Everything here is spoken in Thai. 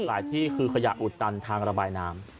ที่คือขยะอุดตันทางระบายน้ำ